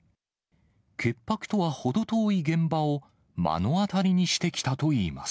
潔白とは程遠い現場を、目の当たりにしてきたといいます。